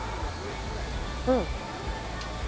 うん。